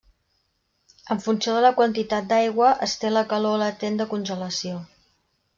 En funció de la quantitat d'aigua es té la calor latent de congelació.